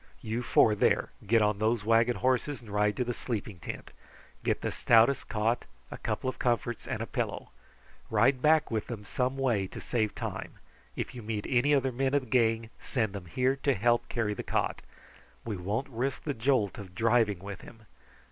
You four there get on those wagon horses and ride to the sleeping tent. Get the stoutest cot, a couple of comforts, and a pillow. Ride back with them some way to save time. If you meet any other men of the gang, send them here to help carry the cot. We won't risk the jolt of driving with him.